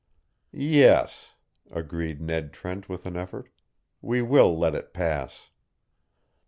"Yes," agreed Ned Trent with an effort, "we will let it pass."